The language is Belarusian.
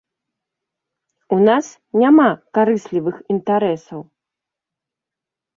У нас няма карыслівых інтарэсаў.